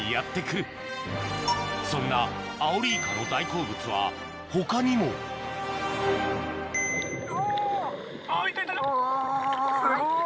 そんなアオリイカの大好物は他にもうわすごい。